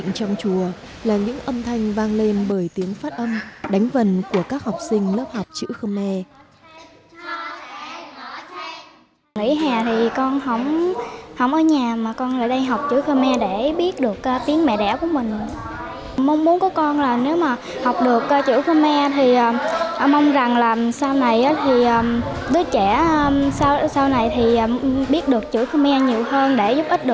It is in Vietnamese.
tịnh trong chùa là những âm thanh vang lên bởi tiếng phát âm đánh vần của các học sinh lớp học chữ khơ me